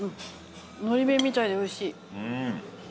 のり弁みたいで美味しい。